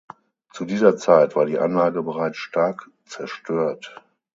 Zu dieser Zeit war die Anlage bereits stark zerstört.